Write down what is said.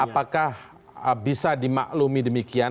apakah bisa dimaklumi demikian